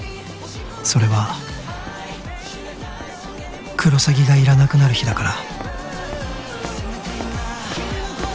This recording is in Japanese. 「それはクロサギがいらなくなる日だから」